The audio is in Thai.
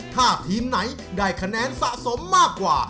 ถ้าทีมไหนได้คะแนนสะสมมากกว่า